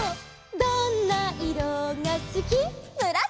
「どんないろがすき」「」